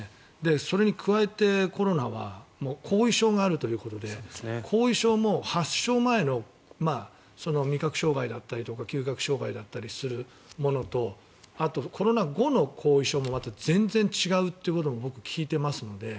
それに加えてコロナは後遺症があるということで後遺症も発症前の味覚障害だったりとか嗅覚障害だったりするものとあと、コロナ後の後遺症も全然違うということも僕、聞いてますので。